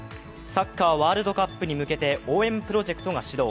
サッカーワールドカップに向けて応援プロジェクトが始動。